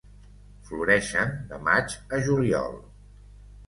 Floreixen de maig a juliol.